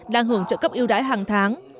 đang hưởng trợ cấp yêu đãi hàng tháng